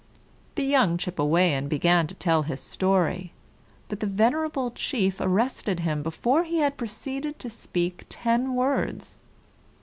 The young Chippewayan began to tell his story; but the venerable chief arrested him before he had proceeded to speak ten words.